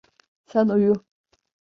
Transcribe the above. Sen uyu.